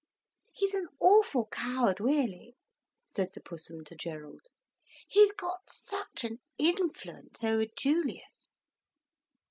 "He's an awful coward, really," said the Pussum to Gerald. "He's got such an influence over Julius."